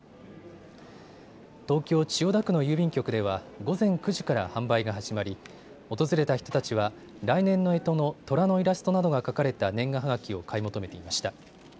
東京千代田区の郵便局では午前９時から販売が始まり訪れた人たちは来年のえとのとらのイラストなどが描かれた年賀はがきを買い求めていました。